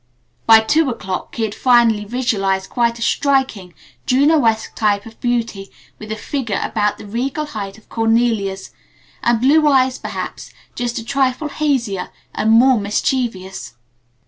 By two o'clock he had finally visualized quite a striking, Juno esque type of beauty with a figure about the regal height of Cornelia's, and blue eyes perhaps just a trifle hazier and more mischievous.